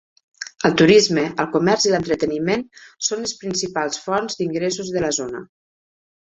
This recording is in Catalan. El turisme, el comerç i l'entreteniment son les principals fonts d'ingressos de la zona.